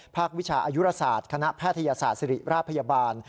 วิชาอายุราศาสตร์คณะแพทยศาสตร์ศิริราชพยาบาล